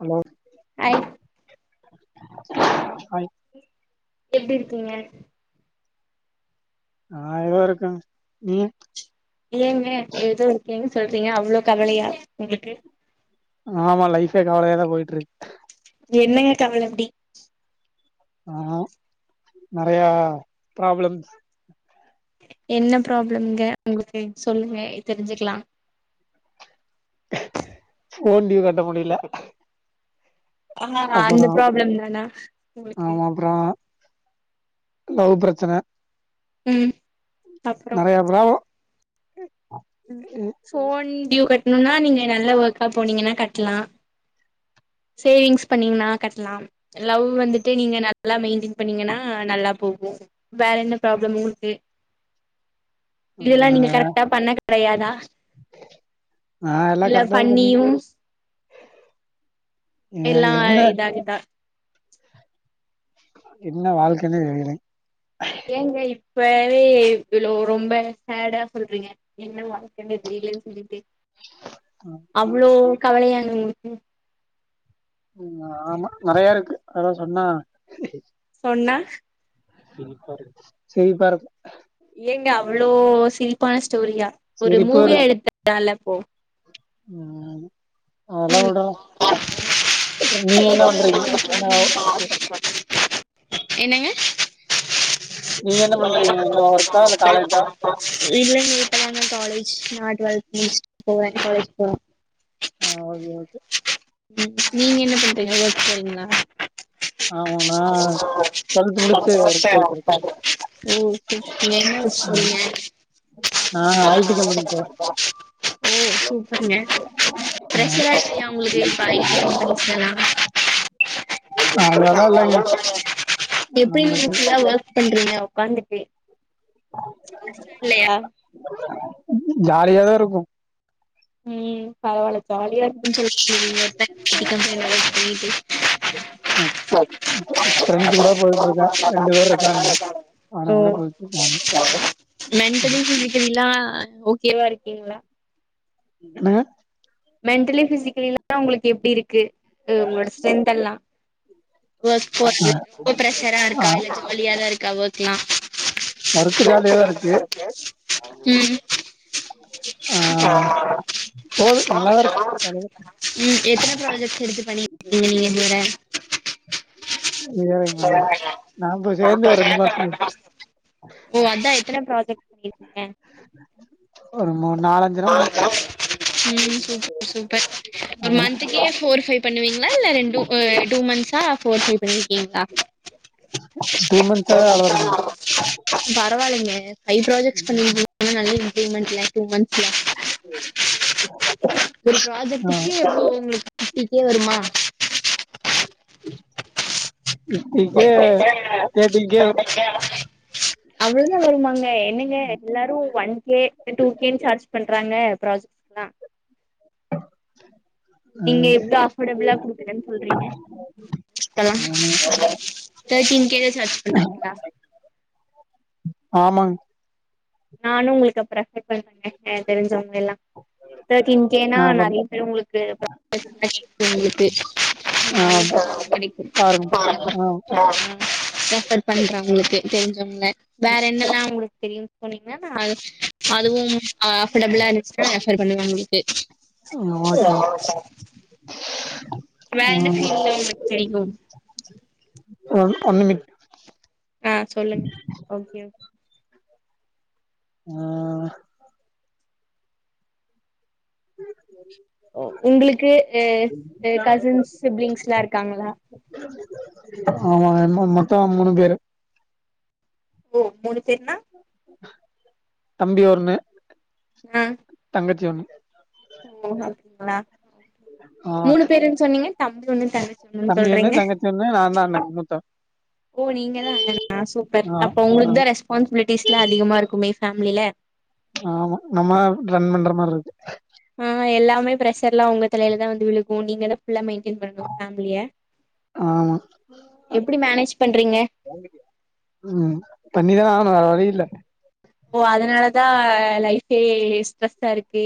Hello hi hi எப்டி இருக்கீங்க ஆஹ் எதோ இருக்க நீ ஏங்க எதோ இருக்கேன்னு சொல்றீங்க அவ்ளோ கவலையா உங்களுக்கு ஆமா லைஃபே கவலையாதா போயிட்டுருக் என்னங்க கவல அப்டி ஆஹ் நெறயா ப்ராப்ளம்ஸ் என்ன ப்ராப்ளம்ங்க உங்களுக்கு சொல்லுங்க தெரிஞ்சுக்கலா ஃபோன் டியு கட்ட முடியல ஹஹாஹ அந்த அப்பறோ பராப்ளம் தானா உங்களுக்கு ஆமா அப்றோ லவ் பிரச்சன உம் நெறையா ப்ராப்ளொ உம் ஃபோன் டியோ கட் னம்ன்னா நீங்க நல்ல ஒர்க்கா போனீங்கன்னா கட்லா சேவிங்ஸ் பண்ணீங்கன்னா கட்லா லவ் வந்துட்டு நீங்க நல்லா மெயின்டெய்ன் பண்ணீங்கன்னா நல்லா போகும் வேற என்ன ப்ராப்ளம் உங்களுக்கு இதெல்லா ஆ நீங்க கரெக்டா பண்ண கெடையாதா நா எல்லா இல்ல கரெக்டா இது பண்ணி பண்ணியும் எ எல்லா என்ன இதாகுதா [inaudible] என்ன வாழ்க்கன்னே தெரியலங் ஏங்க இப்பவே இவ்ளோ ரொம்ப சேடா சொல்றீங்க என்ன வாழ்க்கன்ன தெரியலன்னு சொல்லிட்டு அவ்ளோ கவலையா உம் ஆமா நெறயா இருக்கு அதலா சொன்னா ன்னா சிரிப்பாருக்கு ஏங்க அவ்ளோ சிரிப்பான ஸ்டோரியா ஒரு சிரிப்பு மூவியா இருக்கு எடுத்தர்லால ப்போ [unintelligible] அதெல்லா வுடுங்க நீங்க என்ன பண்றீங்க என்னாவோ ஒர்க் என்னங்க நீங்க என்ன பண்றீங்க என்ன ஒர்க்கா இல்ல காலேஜா [inaudible] இல்லங்க [inaudible] நா காலேஜ் [unintelligible] [inaudible] போவென் காலேஜ் போவன் ஆஹ் ஓகே ஓகே ம் நீங்க என்ன பண்றீங்க ஒர்க் போறிங்லா [inaudible] ஆமா நா டுவெல்த் முடிச்சு ஒர்க் என்ன போயிட்டு இருக்கேன் ஒர்க் போறீங்க [inaudible] நான் ஐடி கம்பெனி போறேன் ஓ சூப்பர்ங்க ஆ, [unintelligible] [inaudible] அதெல்லாம் இல்லைங்க நம்மளுக்கு ஒக்காந்துப்பே [inaudible] ல்லயா ஜாலியாதாருக்கும் ம் பரவால ஜாலியாருக்குன் [inaudible] [inaudible] ஃப்ரெண்ட்ஸ் கூட போயிட்டு இருக்கேன் ரெண்டு பேர் இருக்கானுங்க அவனுங்க கூட போயிட்டு இருக்காங்க [inaudible] மென்டலி பிசிகலிலா ஓகேவாருக்கீங்ளா என்னங மென்டலி பிசிக்கலிலாம் ஒங்ளுக்கு எப்டி இருக்கு உ உங்ளோட ஸ்ரென்த்தெல்லாம் வோக் போறது ரொம்ப ப்ரெஷராருக்கா இல்ல ஜாலிய தான்ருக்கா வோக் நா வர்க்கு ஜாலியாதா இருக்கு ம் ஆ போது உம் எத்தன ப்ராஜக்ஸ் எடுத்து பண்ண கீங்க நீங்க எதுவர இருக்கு. [unintelligible] சரிங்களா? நான் இப்போ சேர்ந்து ஒரு ரெண்டு மாசம் ஆச்சு ஓ அதா எத்தன ப்ராஜட் இருந்த ஒரு மாண் ம் சூப்ப சூப்பர் ஒரு பண்ணிருக்கேன் மந்த்துக்கே ஃபோர் ஃபை பண்ணுவீங்ளா இல்ல ரெண்டு அ டூ மந்ஸ் ஆ ஃபோர் ஃபை பண்ணி எங்கங் டூ மந்த்ஸாக தான் அவ்வளோ பண்ணிருக்கேன் பரவால்லைங்க ஃபை ப்ராஜக்ஸ் பண்ணிருக்கி அனால் நல்ல இம் திரி மந்த் ல்ல டூ மந்த் ப்லா ஒரு ப்ராஜட்டுக்கு எவ்ளோ உங்களுக் ஃபிஃப்ட்டி கே வருமா [inaudible] ஃபிஃப்டிக்கே தேர்ட்டிக்கே அவ்வளன்தா வருமாங்க அ என்னங்க எல்லாரு ஒன் கே எ டூ கேண் சார்ஜ் க்ராங்க ப்ராஜக்ட்தா [inaudible] நீங்க எவ்ளோ அஃபர்டபுல்ல கொடுக்கறன் சொல்றீங்க ஹலோ தேட்டின் கே சார்ஜ் பண்றீங்களா ஆமாங் நானு உங்களுக்கு அப்பற ச பண்றங்க ஆ தெரிஞ்சவங்க எல்லா தேட்டி இன் கே நா ஆ, பண்ண- நறைய பேர் உங்களுக்கு [unintelligible] உங்களுக்கு [unintelligible] அ ஆ கெடைக்கு பாருங்க ஆ ரெஃபர் பண்ற உங்களுக்கு தெரிஞ்சவங்கள வேற என்னதா உங்ளுக் தெரியும் சொன்னீங்கன்னா அது அதுவும் அ அஃபெடபுள்லா இருந்துச்சா சேரி பண்ணுங்க அவுங்களுக்கே ஆ ஓகே வேற என்ன செய்லான் உங்களுக் செய்ணு ஒன் ஒன் நிமிட் ஆ சொல்லுங்க ஓகே ஆ உங்களுக்கு எ எ கசின்ஸ் சிப்லிங்ஸ்லா இருக்கங்களா ஆமா என்மோ மொத்தோ மூணு பேரு ஓ மூணு பேருன்னா தம்பி ஒன்னு ஆ [unintelligible] ஓ [inaudible] ஆ மூணு பேருன் சொன்னீங்க தம்பி ஒன்னு தங்கச்சி ஒன்னுன் தம்பி ஒன்னு சொல்றீங்க தங்கச்சி ஒன்னு நான்தா அண்ண மூத்தவ ஓ நீங்கதான் அண்ணனா சூப்பர் ஆ அப்போ ஆ ஒங்ளுக்தா ரெஸ்பான்ஸிபிலிட்டிஸ்லா அதிகமாருக்குமே ஃபேம்லில ஆமா நம்ம ரண்மண்ற மார்ருக்கு மே பிரஷர்லா ஒங்க தலைலதான் வந்து விலுகும் நீங்கன ஃபுள்ளா மெயின் [unintelligible] பேம்லிய ஆமா எப்டி மேனேஜ் பண்றீங்க ம் பண்ணிதான ஆணும் வேர வலி இல்ல ஹே ஸ்ரஸ்ஸாருக்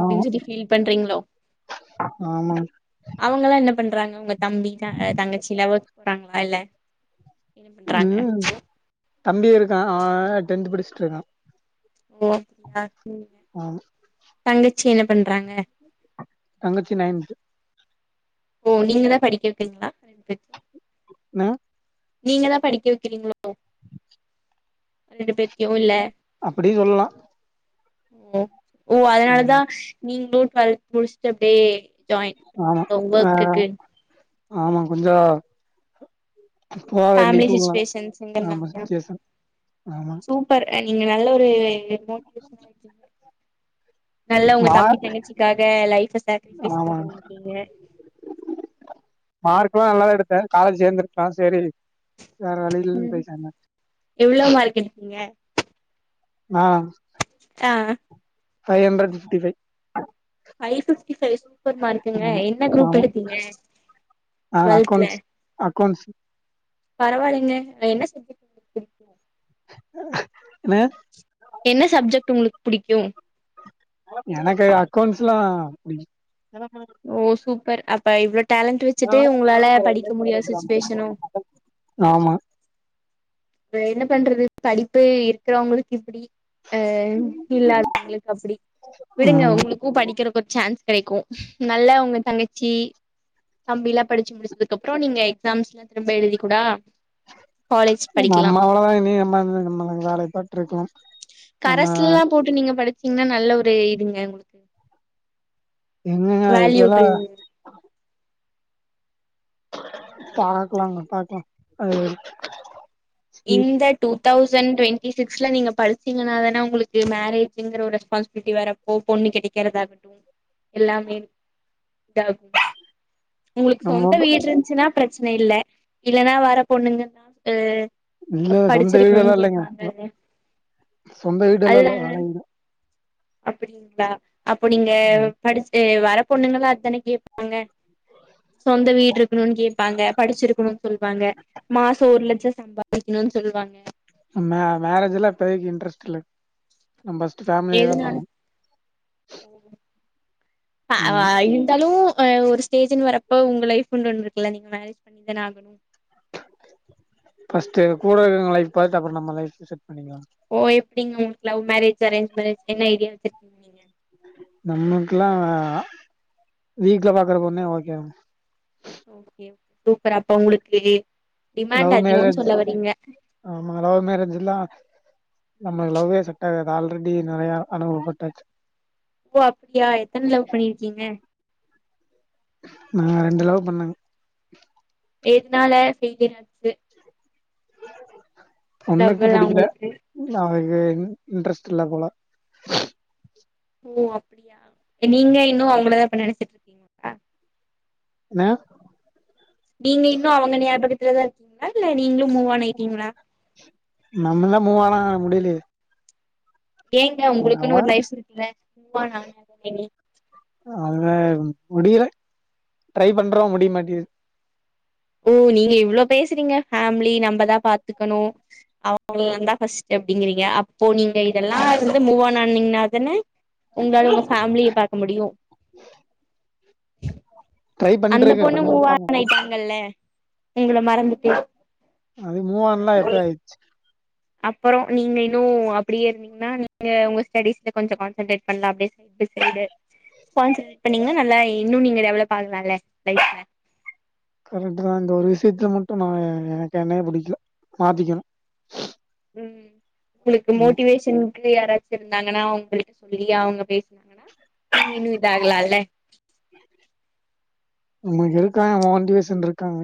ஆமா ஃபீல் பண்றீங்ளோ ஆமா அவங்கலா என்னப் பண்றாங்கவுங்க தம்பி த தங்கச்சிலாவோக் [unintelligible] ம் தம்பி இருக்கான் அவன் டென்த் படிஷ்ருகான் ஓ ஆமா தங்கச் சி என்ன பண்றாங்க தங்கச்சி நைன்த் ஓ நீங்க தா படிக்க வெக்கிரீங்களா ரெண்டுப் [inaudible] நீங்க தா படிக்க வைக்கிறீங்களோ ரெண்டு பேர்தியு இல்ல அப்டியூ சொல்லலா உம் ஓ அதனாலதா ம் நீங்களூ கல் முடிச்ட்டு அப்டியே ஜாயின் ஆமா ஆ ஒர்க்க்கு ஆமா கொஞ்சோ போக வேண்டிய ஃபேமிலி சூழ்நில ஆமா சுச்சுவேஷன்ஸ்ங்கறனாலயா சுச்சேஷன் ஆமா சூப்பர் நீங்க நல்ல ஒரு மோட்டிவ் நல்லா உங்க மா தம்பி தங்கச்சிக்காக லைஃப் சாக்கரிபைஸ் ஆமா பண்ணிருக்கீங்க மார்க் எல்லா நல்லாதா எடுத்த காலேஜ் சேர்ந்திருக்கலா சேரி வேற வழி இல்லன்னு உம் போயிட்டாங்க எவ்ளோ மார்க் எடுதீங்க நானா ஆஹ் five hundred fifty five five fifty five super மார்க்குங்க ஆமா என்ன குரூப் ஆமா எடுத்தீங்க ஆ டுவல்த் ல அக்கௌண்ட்ஸ் அக்கௌண்ட்ஸ் பரவாலிங்க என்ன யன்ன என்ன சப்ஜெக்ட் உங்களுக்கு புடிக்கு எனக்கு அக்கௌண்ட்ஸ்யெல்லா புடிக்கு ஓ சூப்பர் அக் [unintelligible] டேலண்ட் வெச்சுட்டு உங்களால படிக்க முடியாத சுச்சுவேஷனோ ஆமா என்ன பண்றது படிப்பு இருக்கறவங்களுக்கு இப்டி அஹ் இல்லாதவங்களுக்கு அப்டி விடுங்க ஆமா உங்களுக்கு படிக்கிறகு ஒரு சான்ஸ் கெடைக்கு நல்லா உங்க தங்கச்சி தம்பில்லா படிச்சு முடிச்சதுக்கு அப்புறோ நீங்க எக்ஸாம்ஸ்ல்லா திரும்ப எழுதி கூடா நம்மாள இனி அம்மா நம்ம வேலைப்பட்டு இருக்கல நம்ம கரஸ்லலா போட்டு நீங்க படிச்சீங்கன்னா நல்ல ஒரு [inaudible] எங்கங்க இதுல வேல்யூபிள் பாக்கலாங்க பாக்கலா அது இந்த டூ தௌசண் டுவென்டி சிக்ஸ்ல நீங்க படிச்சீங்கனாதானே உங்களுக்கு மேரேஜுங்கற ஒரு ரெஸ்பான்சிபிலிட்டி வறப்போ பொண்ணு கெடைக்கிறத ஆக எல்லாமே இதாகு உங்களுக்கு நம்ம சொந்த வீடு இருந்துச்சின்னா பிரச்சனை இல்ல இல்லைனா வர பொண்ணுங்களுக்கு இல்ல சொந்த வீடெல்லா இல்லைங்க சொந்த வீடெல்லா அதுதா இல்ல வாடகைக்கு அப்டிங்களா அப்ப நீங்க படிச்சு வர பொண்ணுங்களா அதானே கேப்பாங்க சொந்த வீடு இருக்கணுன் கேப்பாங்க படிச்சிருக்கணுன் சொல்வாங்க மாச ஒரு லட்ச சம்பாதி க்கணு சொல்லுவாங்க மே மேரேஜ் எல்லா இப்போதைக்கு இன்ட்ரெஸ்ட் இல்ல நம் பஸ்ட் ஃபேமிலியதா எதுனால பாக்கனு எ ஏ இருந்தாலு அஹ் ஒரு ஸ்டேஜுனு வரப்போ உங்க லைஃப்ன்னு ஒண்ணு இருக்குல்ல நீங்க மேரேஜ் பண்ணிதானே ஆகணு ஃபர்ஸ்ட் கூட இருக்றவங்க லைஃப பாத்துட்டு அப்புற நம்ம லைஃப் பண்ணிக்கலாம் ஓ எப்பிடிங்க உங்ளுக்கு லவ் மேரேஜ் அரேஞ்ச் மேரேஜ் என்ன ஐடியா வச்சிருக்கிங்க நீங்க நமக்கெல்லா வீட்டுல பாக்குற பொண்ணே ஓகேங்க ஓகே சூப்பர் அப்ப உங்களுக்கு டிமாண்ட் லவ் அதிகோன்னு மேரேஜ் சொல்ல வரீங்க ஆமா லவ் மேரேஜ்லில்லா நம்மலு லவ்வே செட் ஆகாது ஆல்ரெடி நெறைய அனுபவப் பட்டாச்சு ஓ அப்படியா எத்தனை லவ் பண்ணிருக்கீங்க நா ரெண்டு லவ் பண்ணேங்க எதுனால [unintelligible] ஒண்ணுக்கு லவ்வெல்லா புடிக்கல உங்களுக்கு நா இ இன்ட்ரஸ்ட் இல்ல போல ஓ அப்படியா நீங்க இன்னு அவங்களதான் இப்ப நினைச்சிட்டு இருக்கீங்களா என்ன நீங்க இன்னும் அவங்க நியாபகத்துலதா இருக்கீங்களா இல்ல நீங்களு மூவ் ஆன் ஆயிட்டீங்களா நம்ம தா மூவ் ஆன் ஆக முடியலயே ஏங்க உங்களுக்குன்னு ஒரு லைஃப் இருக்குல [unintelligible] அத முடியல ட்ரை பண்றோ முடிய மாட்டேது ஓ நீங்க இவ்வளோ பேசறீங்க ஃபேமிலி நம்மதா பாத்துக்கணு அவ ந்தா ஃபஸ்ட் அப்படிங்கறீங்க அப்போ நீங்க இதெல்லா வந்து மூவ் ஆன் ஆனீங்கனா தானே உங்களால உங்க ஃபேமிலிய பாக்க முடியு ட்ரை அந்த பண்ட்ருக்கே பொண்ணு பண்ணி மூவ் பாக்கனு ஆன் ஆயிட்டாங்கல்ல உங்களை மறந்துட்ட அது மூவ் ஆன்லா எப்பயோ ஆயிடுச்சு அப்புறம் நீங்க இன்னும் அப்படியே இருந்தீங்கன்னா நீங்க உங்க ஸ்டடிஸ் கொஞ்ச கான்சன்ட்ரேட் பண்லா அப்டி சை சைசன்ட்ரட் பண்ணீங்கன்னா நல்லா இன்னும் நீங்க டெவளப் ஆகலால லைஃப்ல கரண்ட தான் இந்த ஒரு விஷயத்துல மட்டும் நான் எனக்கு என்ன பிடிக்கல மாத்திக்கணும் உம் உங்களுக்கு மோட்டிவேஷன் யாராச்சும் இருந்தாங்கன்னா அவங்களுக்கு சொல்லி அவங்க பேசினாங்கன்னா இன்னும் இது ஆகலால்ல உமக்கு இருக்கா வாண்டிவே சென்ருக்காங்க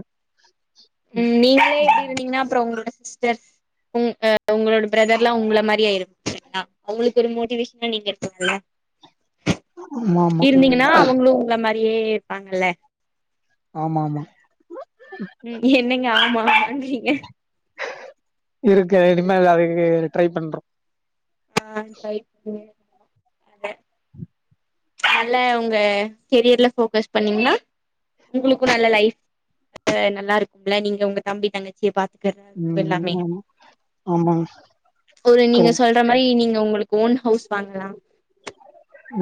உம் நீங்களே இப்டி இருந்தீங்கனா அப்புறம் உங்கள சிஸ்டர் உங் அ உங்களோட பிரதர் எல்லாம் உங்கள மாதிரி ஆயிரு சா உங்களுக்கு ஒரு மோட்டிவேஷனல் நீங்க இருக்கீங்களா ஆமா ஆமா இருந்தீங்கன்னா அவங்களும் உங்கள மா அப்படியே இருப்பாங்கல்ல ஆமா ஆமா உம் என்னங்க ஆமா நீங்க இருக்கு இனிமேல் அது இருக்கு ட்ரை பண்றோம் ஆஹ் ட்ரை பண்றோம் அத நல்ல உங்க கெரியர்ல போக்கஸ் பண்ணீங்கன்னா உங்களுக்கும் நல்ல லைஃப் நல்லா இருக்கும்ல நீங்க உங்க தம்பி தங்கச்சிய பா ம் எல்லாமே ஆமா ஆமாங்க ஒரு நீங்க கரெக்ட் சொல்ற மாதிரி நீங்க உங்களுக்கு கோன் ஹவுஸ் வாங்கலாம்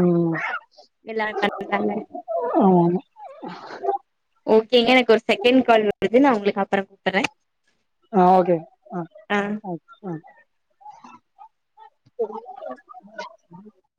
உம் [unintelligible] ஆமா ஆமா ஓகேங்க எனக்கு ஒரு செகண்ட் கால் வருது நான் உங்களுக்கு அப் அப்புறம் ஆஹ் ஓகே ஆஹ ஆ ஆ [unintelligible]